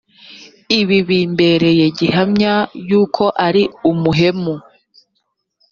ibi bimbereye gihamya yuko ari umuhemu